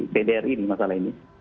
di pdr ini masalah ini